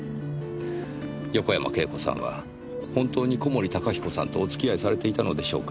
横山慶子さんは本当に小森高彦さんとお付き合いされていたのでしょうか？